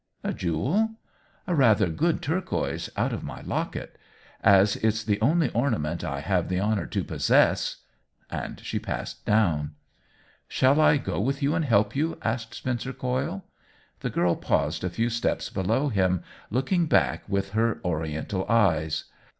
" A jewel ?"" A rather good turquoise, out of my lock et. As it's the only ornament I have the honor to possess —" And she passed down. " Shall I go with you and help you ?" asked Spencer Coyle. The girl paused a few step below him, looking back with her Oriental eyes.